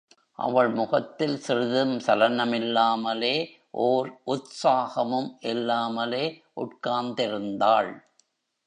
அவள் முகத்தில் சிறிதும் சலனமில்லாமலே ஓர் உத்ஸாகமும் இல்லாமலே உட்கார்ந்திருந்தாள்.